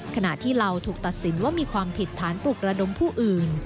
ขณะที่เราถูกตัดสินว่ามีความผิดฐานปลุกระดมผู้อื่น